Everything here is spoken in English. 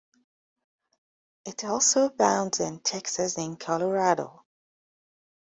It also abounds in Texas and Colorado.